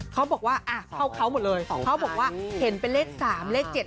เขาบอกว่าอ่าเขาบอกเลยเขาบอกเห็นเป็นเลขสามเลขเจ็ด